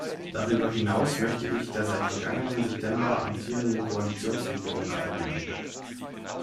Darüber hinaus möchte ich der seit vergangenen September amtierenden Koalitionsregierung gratulieren.